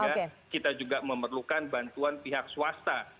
sehingga kita juga memerlukan bantuan pihak swasta